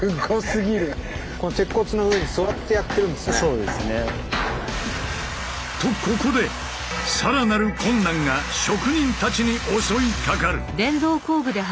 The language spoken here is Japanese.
そうですね。とここでさらなる困難が職人たちに襲いかかる。